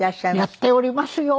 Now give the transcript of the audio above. やっておりますよ。